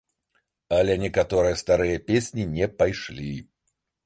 Але некаторыя старыя песні не пайшлі.